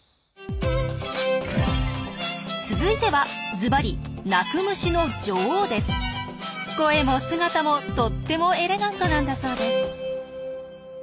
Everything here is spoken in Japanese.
続いてはズバリ声も姿もとってもエレガントなんだそうです。